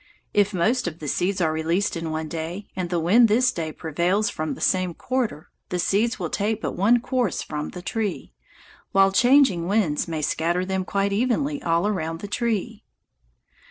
If most of the seeds are released in one day, and the wind this day prevails from the same quarter, the seeds will take but one course from the tree; while changing winds may scatter them quite evenly all around the tree.